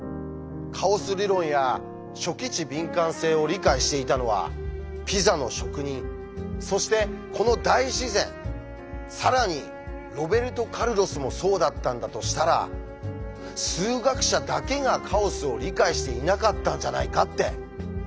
カオス理論や初期値敏感性を理解していたのはピザの職人そしてこの大自然更にロベルト・カルロスもそうだったんだとしたら数学者だけがカオスを理解していなかったんじゃないかって。